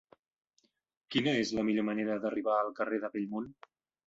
Quina és la millor manera d'arribar al carrer de Bellmunt?